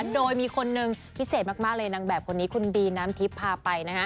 โดยมีคนนึงพิเศษมากเลยนางแบบคนนี้คุณบีน้ำทิพย์พาไปนะฮะ